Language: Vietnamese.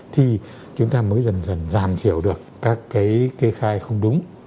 thì chúng ta mới dần dần giảm thiểu được các cái kê khai không đúng